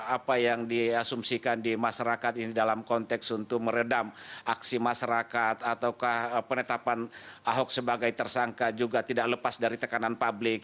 apa yang diasumsikan di masyarakat ini dalam konteks untuk meredam aksi masyarakat ataukah penetapan ahok sebagai tersangka juga tidak lepas dari tekanan publik